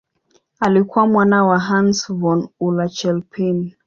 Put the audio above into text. Alikuwa mwana wa Hans von Euler-Chelpin.